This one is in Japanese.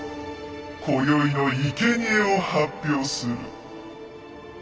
こよいのいけにえを発表する。